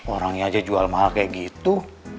orangnya aja jual mahal kayak gitu